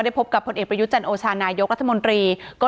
พบกับผลเอกประยุจันทร์โอชานายกรัฐมนตรีก็